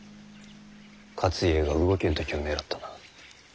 勝家が動けん時を狙ったな。